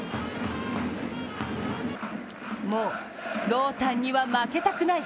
もう、ろうたんには負けたくない。